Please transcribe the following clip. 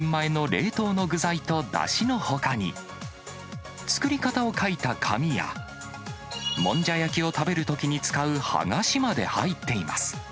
保冷パックの中には、１．５人前の冷凍の具材とだしのほかに、作り方を書いた紙や、もんじゃ焼きを食べるときに使う、はがしまで入っています。